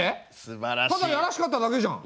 ただやらしかっただけじゃん！